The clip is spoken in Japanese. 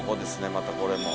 またこれも。